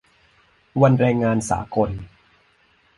วันแรงงานสากล